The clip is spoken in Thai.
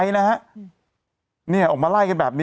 สวัสดีครับคุณผู้ชม